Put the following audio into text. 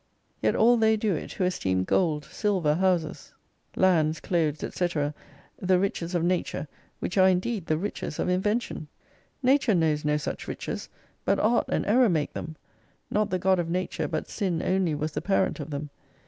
Yet all they do it, who esteem gold, silver, houses, 164 lands, clothes, Sec, the riches of Nature, which are indeed the riches of invention. Nature knows no such riches : but art and error make them. Not the God of Nature, but Sin only was the parent of them.